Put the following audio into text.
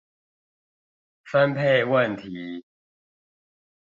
分配問題